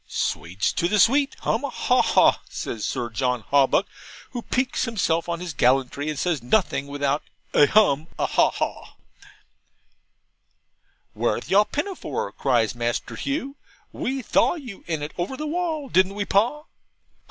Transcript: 'Sweets to the sweet! hum a ha haw!' says Sir John Hawbuck, who piques himself on his gallantry, and says nothing without 'a hum a ha a haw!' 'Whereth yaw pinnafaw?' cries Master Hugh. 'WE thaw you in it, over the wall, didn't we, Pa?'